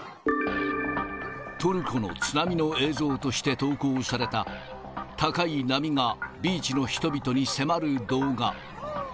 トルコの津波の映像として投稿された、高い波がビーチの人々に迫る動画。